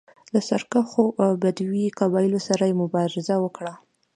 له سرکښو بدوي قبایلو سره یې مبارزه وکړه